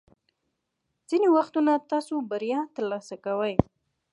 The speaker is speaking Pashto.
ځینې وختونه تاسو بریا ترلاسه کوئ.